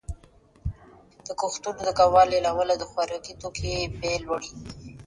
دا کار پانګوال ته ډېره ګټه په لاس ورکوي